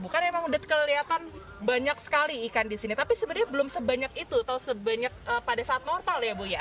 bukan emang udah kelihatan banyak sekali ikan di sini tapi sebenarnya belum sebanyak itu atau sebanyak pada saat normal ya bu ya